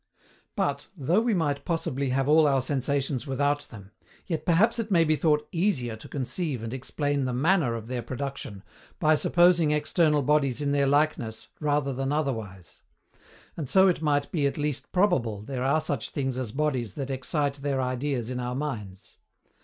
But, though we might possibly have all our sensations without them, yet perhaps it may be thought EASIER to conceive and explain the MANNER of their production, by supposing external bodies in their likeness rather than otherwise; and so it might be at least probable there are such things as bodies that excite their ideas in our minds.